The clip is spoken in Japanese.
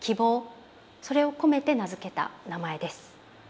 それを込めて名付けた名前です。